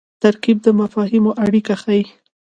ترکیب د مفاهیمو اړیکه ښيي.